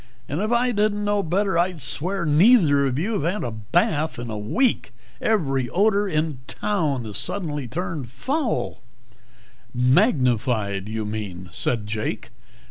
And if I didn't know better I'd swear neither of you had had a bath in a week. Every odor in town has suddenly turned foul " "Magnified, you mean," said Jake.